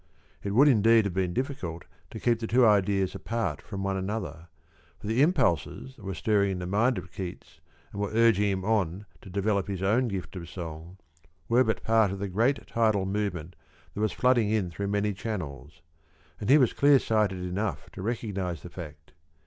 It would indeed have been difficult to keep the two ideas apart from one another, for the impulses that were stirring in the mind of Keats, and were urging him on to develop his own gift of song, were but part of the great tidal movement that was flooding in through many channels; and he was clear sighted enough to recognise the fact.